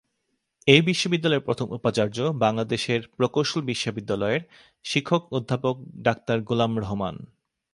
এ বিশ্ববিদ্যালয়ের প্রথম উপাচার্য বাংলাদেশের প্রকৌশল বিশ্ববিদ্যালয়ের শিক্ষক অধ্যাপক ডাক্তার গোলাম রহমান।